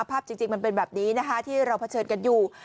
ภาพจริงมันเป็นแบบนี้นะคะที่เราเผชิญกันอยู่